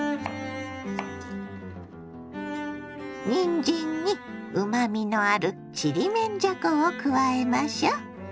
にんじんにうまみのあるちりめんじゃこを加えましょ。